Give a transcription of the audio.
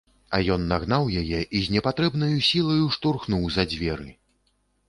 А ён нагнаў яе і з непатрэбнаю сілаю штурхнуў за дзверы.